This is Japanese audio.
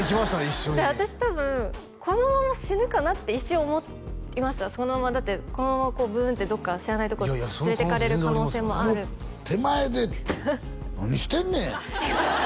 一緒に私多分このまま死ぬかなって一瞬思いましただってこのままブーンってどっか知らないとこ連れていかれる可能性もある手前で何してんねん！